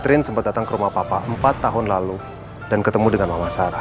trin sempat datang ke rumah papa empat tahun lalu dan ketemu dengan mama sarah